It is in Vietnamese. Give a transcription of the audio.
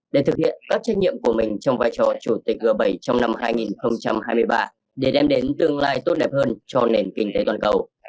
để thực hiện các trách nhiệm của mình trong vai trò chủ tịch g bảy trong năm hai nghìn hai mươi ba để đem đến tương lai tốt đẹp hơn cho nền kinh tế toàn cầu